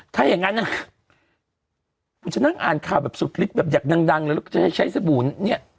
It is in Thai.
ถ้าอย่างนั้นนะคุณจะนั่งอ่านข่าวแบบสุดฤทธิ์แบบอยากดังเลยแล้วก็จะให้ใช้สบู่เนี่ย